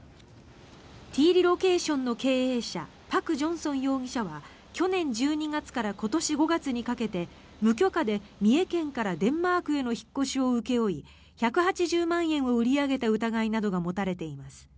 ＴＲＥＬＯＣＡＴＩＯＮの経営者パク・ジョンソン容疑者は去年１２月から今年５月にかけて無許可で三重県からデンマークへの引っ越しを請け負い１８０万円を売り上げた疑いなどが持たれています。